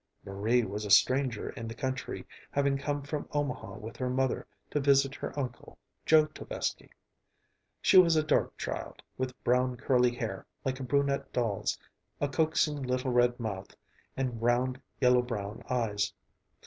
Marie was a stranger in the country, having come from Omaha with her mother to visit her uncle, Joe Tovesky. She was a dark child, with brown curly hair, like a brunette doll's, a coaxing little red mouth, and round, yellow brown eyes.